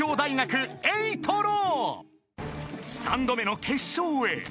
［３度目の決勝へ］